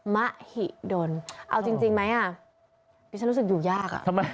มหินเอาจริงไหมฉันรู้สึกอยู่ยาก